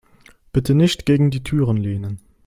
Bitte nicht gegen die Türen lehnen.